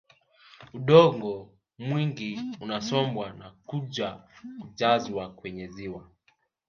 Udongo mwingi unasombwa na kuja kujazwa kwenye ziwa